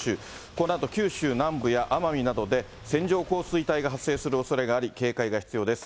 このあと九州南部や奄美などで線状降水帯が発生するおそれがあり、警戒が必要です。